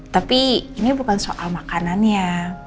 tapi ini bukan soal makanannya